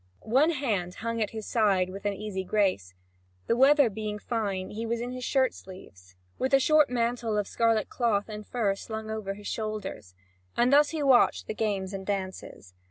One hand hung at his side with easy grace. The weather being fine, he was in his shirt sleeves, with a short mantle of scarlet cloth and fur slung over his shoulders, and thus he watched the games and dances.